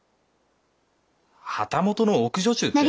旗本の奥女中って。